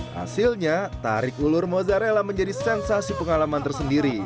hasilnya tarik ulur mozzarella menjadi sensasi pengalaman tersendiri